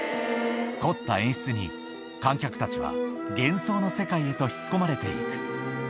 凝った演出に、観客たちは幻想の世界へと引き込まれていく。